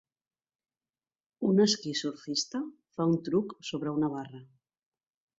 Un esquí-surfista fa un truc sobre una barra.